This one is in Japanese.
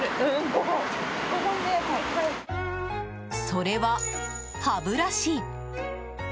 それは、歯ブラシ。